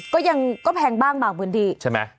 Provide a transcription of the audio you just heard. ก็ยังแพงบ้างบางวันดี